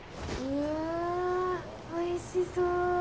うわおいしそう。